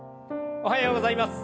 おはようございます。